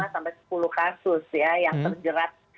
sampai sepuluh kasus ya yang terjerat